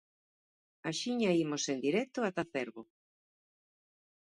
Axiña imos en directo ata Cervo.